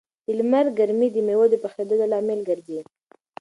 د لمر ګرمي د مېوو د پخېدو لامل ګرځي.